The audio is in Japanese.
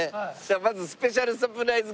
まずスペシャルサプライズ